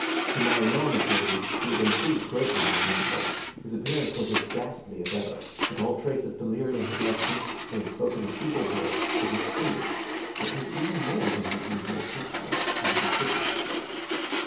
To my enormous relief, he had improved greatly in the interval. His appearance was as ghastly as ever, but all trace of delirium had left him and he spoke in a feeble voice, it is true, but with even more than his usual crispness and lucidity.